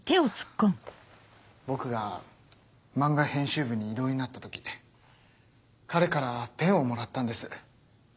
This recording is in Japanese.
僕が漫画編集部に異動になった時彼からペンをもらったんです。